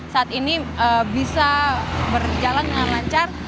saat ini bisa berjalan dengan lancar